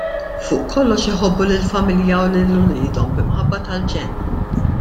Fuq kollox iħobbu lill-familja u lil uliedhom b'imħabba tal-ġenn.